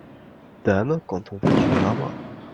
Dame, quand on veut du marbre…